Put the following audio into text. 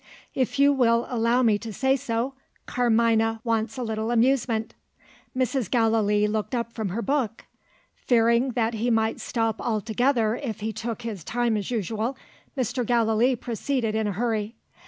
"If you will allows me to say so, Carmina wants a little amusement." Mrs. Gallilee looked up from her book. Fearing that he might stop altogether if he took his time as usual, Mr. Gallilee proceeded in a hurry.